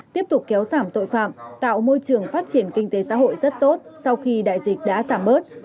tiếp tục kéo giảm tội phạm tạo môi trường phát triển kinh tế xã hội rất tốt sau khi đại dịch đã giảm bớt